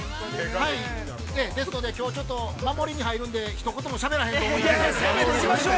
ですのできょうちょっと守りに入るのでひと言もしゃべらへんと思いますけど。